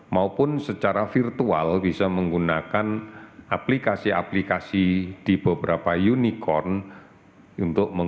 maupun secara virtual bisa menggunakan aplikasi aplikasi di beberapa unicorn